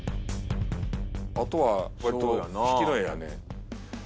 あとはわりと引きの絵やね。